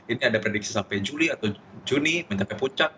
ini ada prediksi sampai juli atau juni minta ke pucat